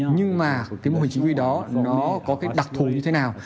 nhưng mà cái mô hình chính quy đó nó có cái đặc thù như thế nào